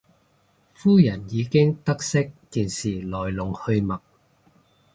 夫人已經得悉件事來龍去脈